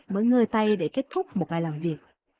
mới ngơi tay để kết thúc một ngày làm việc